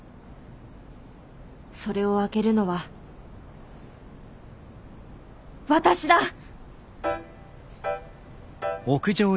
それを開けるのは私だ！